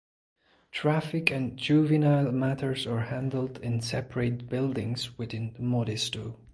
Traffic and Juvenile matters are handled in separate buildings within Modesto.